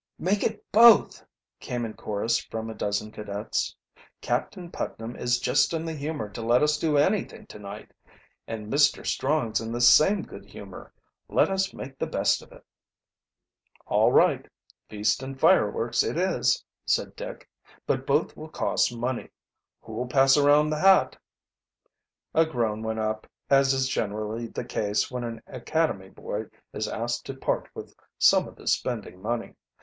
"Make it both!" came in chorus from a dozen cadets. "Captain Putnam is just in the humor to let us do anything to night. And Mr. Strong's in the same good humor. Let us make the best of it." "All right; feast and fireworks it is," said Dick. "But both will cost money. Who'll pass around the hat?" A groan went up, as is generally the case when an academy boy is asked to part with some of his spending money.